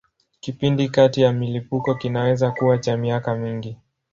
Kipindi kati ya milipuko kinaweza kuwa cha miaka mingi.